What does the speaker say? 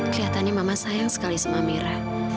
kelihatannya mama sayang sekali sama mira